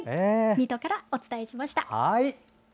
水戸からお伝えしました。